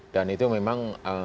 dan itu memang